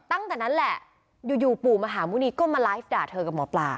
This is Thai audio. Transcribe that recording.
ตั้งแต่นั้นแหละอยู่ปู่มหาหมุณีก็มาไลฟ์ด่าเธอกับหมอปลา